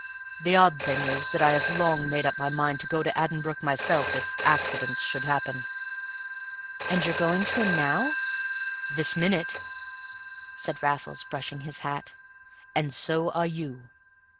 The odd thing is that I have long made up my mind to go to Addenbrooke myself if accidents should happen." "And you're going to him now?" "This minute," said Raffles, brushing his hat; "and so are you."